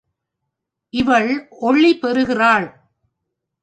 இவள் ஒளி பெறுகிறாள்.